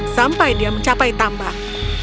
sampai dia mencapai tambang